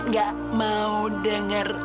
gak mau denger